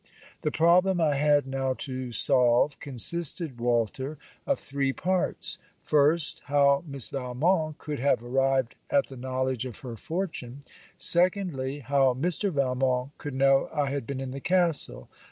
The problem I had now to solve, consisted, Walter, of three parts. First, how Miss Valmont could have arrived at the knowledge of her fortune? Secondly, how Mr. Valmont could know I had been in the castle?